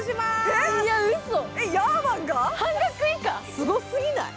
すごすぎない？